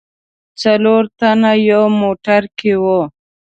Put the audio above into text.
څلور تنه یو موټر کې و.